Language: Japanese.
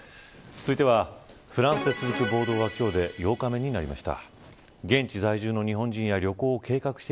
続いて、フランスで続く暴動は今日で８日目になりました。